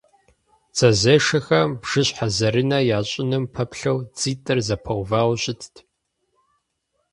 Дзэзешэхэм бжыщхьэзэрынэ ящӀыным пэплъэу дзитӀыр зэпэувауэ щытт.